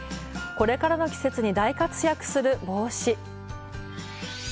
これからの季節に大活躍する帽子。